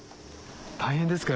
大変ですか？